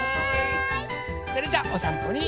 それじゃあおさんぽに。